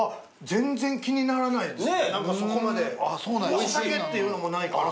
お酒っていうのもないから。